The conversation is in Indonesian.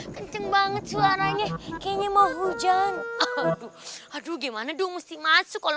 kenceng banget suaranya kayaknya mau hujan aduh gimana dong mesti masuk kalau